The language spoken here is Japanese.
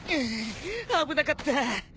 危なかった。